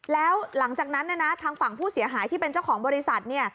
แล้วหลังจากนั้นทางฝั่งผู้เสียหายที่เป็นเจ้าของบริษัทเนี่ย